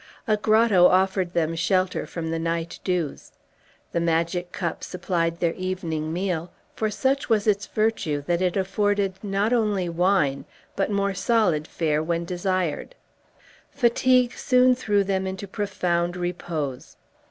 A grotto offered them shelter from the night dews. The magic cup supplied their evening meal; for such was its virtue that it afforded not only wine, but more solid fare when desired. Fatigue soon threw them into profound repose.